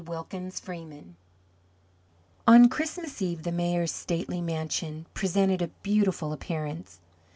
WILKINS FREEMAN On Christmas Eve the Mayor's stately mansion presented a beautiful appearance.